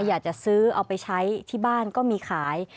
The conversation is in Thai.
อยากจะซื้อเอาไปใช้ที่บ้านก็มีขาย